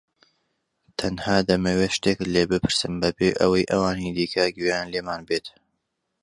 تەنها دەمەوێت شتێکت لێ بپرسم بەبێ ئەوەی ئەوانی دیکە گوێیان لێمان بێت.